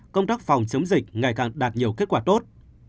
công tác phòng chống dịch ngày càng đạt nhiều kết quả tốt